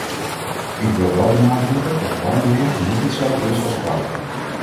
Ik wil wel benadrukken dat wanbeheer niet hetzelfde is als fraude.